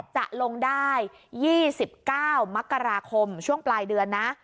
จะลงได้๒๙มกราคมช่วงปลายเดือนนะ